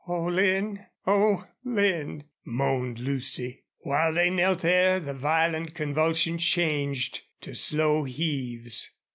"Oh, Lin! Oh, Lin!" moaned Lucy. While they knelt there the violent convulsions changed to slow heaves.